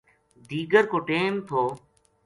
دیگر کو ٹیم تھو